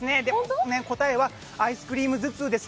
答えはアイスクリーム頭痛です。